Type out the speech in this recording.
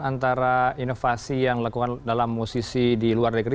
antara inovasi yang dilakukan dalam musisi di luar negeri